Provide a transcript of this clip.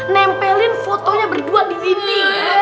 nempelin fotonya berdua disini